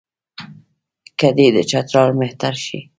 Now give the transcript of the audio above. که دی د چترال مهتر شي.